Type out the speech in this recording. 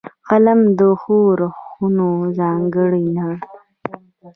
قلم د ښو روحونو ځانګړنه ده